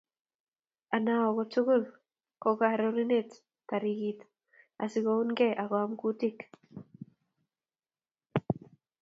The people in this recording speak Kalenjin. Anao ko tugul ko karironet taritik asikounkei akoam kutik